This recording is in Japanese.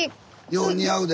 よう似合うで。